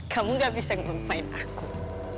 kamu gak bisa ngomongin aku